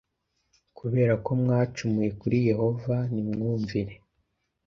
kubera ko mwacumuye kuri yehova ntimwumvire